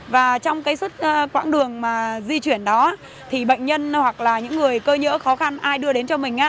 và trong cái suốt quãng đường mà di chuyển đó thì bệnh nhân hoặc là những người cơ nhỡ khó khăn ai đưa đến cho mình